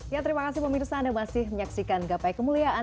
ya terima kasih pemirsa anda masih menyaksikan gapai kemuliaan